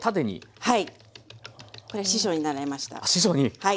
はい。